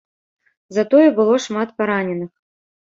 Затое было шмат параненых.